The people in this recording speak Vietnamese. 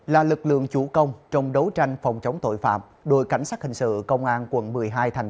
là lực lượng chủ công trong đấu tranh phòng chống tội phạm đội cảnh sát hình sự công an quận một mươi hai thành